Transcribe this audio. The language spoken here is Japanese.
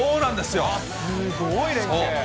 すごい連係。